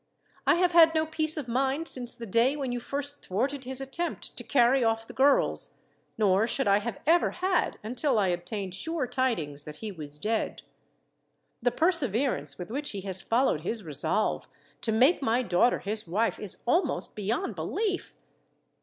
I have had no peace of mind since the day when you first thwarted his attempt to carry off the girls; nor should I have ever had, until I obtained sure tidings that he was dead. The perseverance with which he has followed his resolve, to make my daughter his wife, is almost beyond belief.